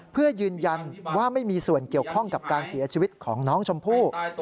เพื่อยืนยันว่าไม่มีส่วนเกี่ยวข้องกับการเสียชีวิตของน้องชมพู่